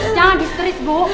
jangan di street bu